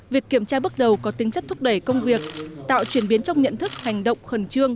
việc kiểm tra bước đầu có tính chất thúc đẩy công việc tạo chuyển biến trong nhận thức hành động khẩn trương